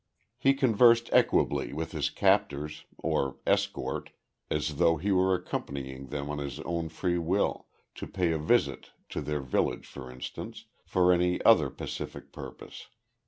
He conversed equably with his captors or escort, as though he were accompanying them of his own free will, to pay a visit to their village for instance, for any other pacific purpose.